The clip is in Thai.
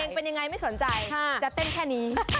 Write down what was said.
เป็นยังไงไม่สนใจจะเต้นแค่นี้